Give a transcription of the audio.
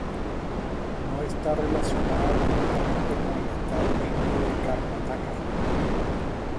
No está relacionada directamente con el estado indio de Karnataka.